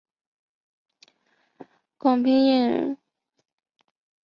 广平酂人。